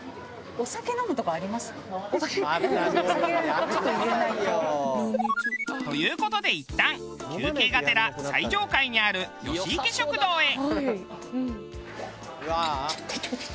お酒飲むとこあります？という事でいったん休憩がてら最上階にある吉池食堂へ。